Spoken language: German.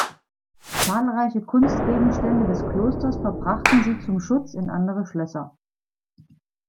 Zahlreiche Kunstgegenstände des Klosters verbrachten sie zum Schutz in andere Schlösser.